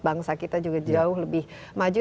bangsa kita juga jauh lebih maju